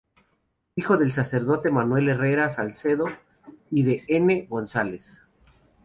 Hijo del sacerdote Manuel Herrera Salcedo y de N. González.